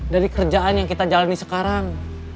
dari kerjaan yang kita jalani sekarang